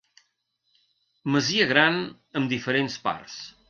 Masia gran amb diferents parts.